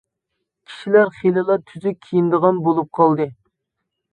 كىشىلەر خېلىلا تۈزۈك كىيىنىدىغان بولۇپ قالدى.